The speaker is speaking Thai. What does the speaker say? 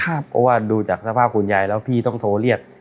เพราะว่าดูจากสภาพคุณยายแล้วพี่ต้องโทรเรียก